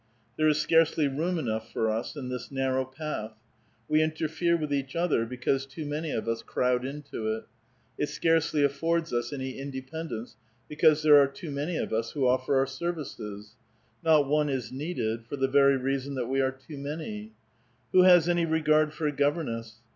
There is scarcely room enough for us in this narrow path ; we interfere with each other, Tbecause too many of us crowd into it ; it scarcely affords us any independence, because there are too many of us who offer our services ; not one is needed, for the very reason that we are too many. Who has any regard for a governess?